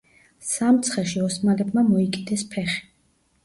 სამცხეში ოსმალებმა მოიკიდეს ფეხი.